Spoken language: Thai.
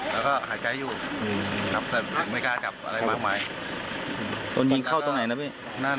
เราได้ยินเสียงกึ่งกี่นัด